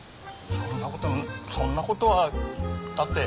そんなことそんなことはだって。